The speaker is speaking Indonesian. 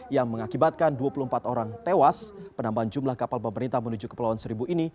yang mengakibatkan dua puluh empat orang tewas penambahan jumlah kapal pemerintah menuju ke pulauan seribu ini